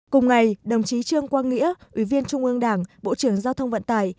cùng ngày đồng chí trương quang nghĩa ủy viên trung ương đảng bộ trưởng giao thông vận tải